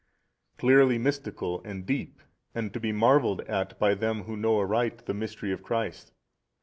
A. Clearly mystical and deep and to be marvelled at by them who know aright the mystery of Christ.